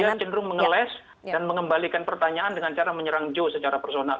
dia cenderung mengeles dan mengembalikan pertanyaan dengan cara menyerang joe secara personal